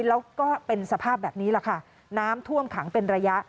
แล้วก็เป็นสภาพแบบนี้แหละค่ะน้ำท่วมขังเป็นระยะ